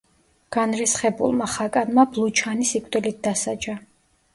განრისხებულმა ხაკანმა ბლუჩანი სიკვდილით დასაჯა.